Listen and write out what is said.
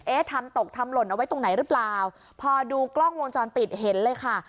ทำตกทำหล่นเอาไว้ตรงไหนหรือเปล่าพอดูกล้องวงจรปิดเห็นเลยค่ะ